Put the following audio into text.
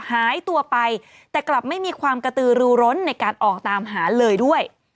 หายตัวไปแต่กลับไม่มีความกระตือรูร้นในการออกตามหาเลยด้วย